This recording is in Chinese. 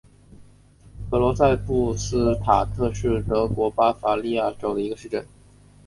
格罗赛布斯塔特是德国巴伐利亚州的一个市镇。